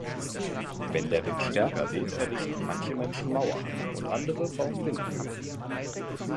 Wenn der Wind stärker weht, errichten manche Menschen Mauern und andere bauen Windmühlen.